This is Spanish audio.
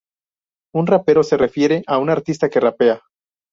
Un rapero se refiere a un artista que "rapea".